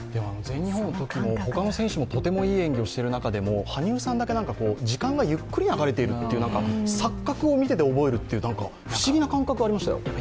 全日本のときもほかの選手もとてもいい演技をしている中で、時間がゆっくり流れている錯覚を羽生さん、見てて覚えるという、不思議な感覚がありましたよ。